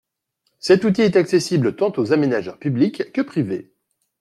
Cet outil est accessible tant aux aménageurs publics que privés.